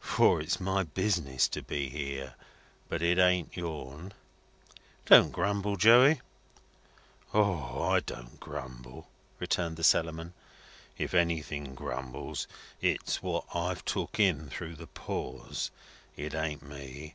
For it's my business to be here. But it ain't yourn." "Don't grumble, Joey." "O! I don't grumble," returned the Cellarman. "If anything grumbles, it's what I've took in through the pores; it ain't me.